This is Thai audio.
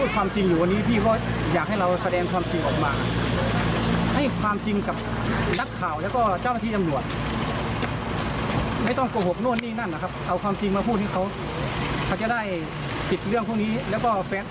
เขาจะได้ผิดเรื่องพวกนี้แล้วก็แฟนท์น้าของมันจะได้ไปแบบ